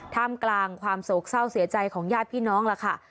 ท่ามกลางความโศกเศร้าเสียใจของญาติพี่น้องล่ะค่ะ